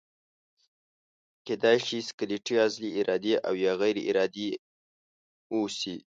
کیدای شي سکلیټي عضلې ارادي او یا غیر ارادي اوسي.